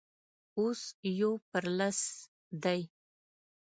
اوس يو پر لس دی.